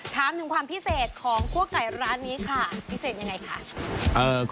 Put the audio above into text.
ถามถึงความพิเศษของคั่วไก่ร้านนี้ค่ะพิเศษยังไงคะ